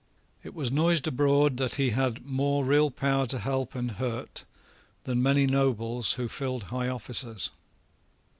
It was noised abroad that he had more real power to help and hurt than many nobles who filled high offices.